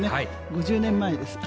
５０年前です。